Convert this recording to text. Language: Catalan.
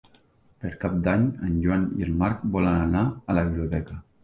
Per Cap d'Any en Joan i en Marc volen anar a la biblioteca.